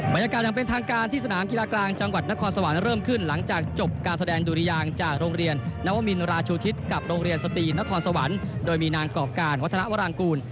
อย่างเป็นทางการที่สนามกีฬากลางจังหวัดนครสวรรค์เริ่มขึ้นหลังจากจบการแสดงดุริยางจากโรงเรียนนวมินราชูทิศกับโรงเรียนสตรีนครสวรรค์โดยมีนางกรอบการวัฒนาวรางกูล